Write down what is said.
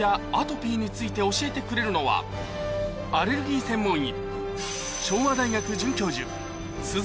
今回について教えてくれるのはアレルギー専門医